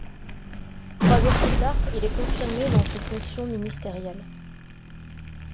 Trois jours plus tard, il est confirmé dans ses fonctions ministérielles.